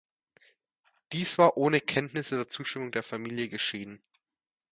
Dies war ohne Kenntnis oder Zustimmung der Familie geschehen.